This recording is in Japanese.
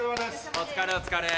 お疲れお疲れ。